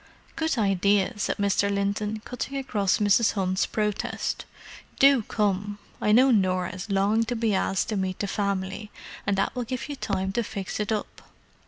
"Good idea!" said Mr. Linton, cutting across Mrs. Hunt's protest. "Do come—I know Norah is longing to be asked to meet the family, and that will give you time to fix it up."